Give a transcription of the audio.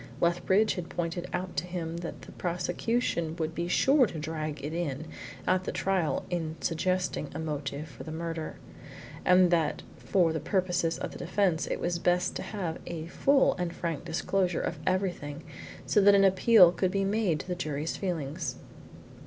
Lethbridge had pointed out to him that the prosecution would be sure to drag it in at the trial in suggesting a motive for the murder, and that for the purposes of the defence it was best to have a full and frank disclosure of everything so that an appeal could be made to the jury's feelings.